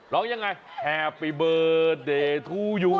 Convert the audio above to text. ร้องอย่างไรแฮปปี้เบอร์เดย์ทูยู